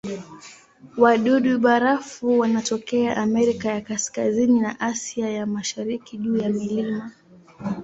Wadudu-barafu wanatokea Amerika ya Kaskazini na Asia ya Mashariki juu ya milima.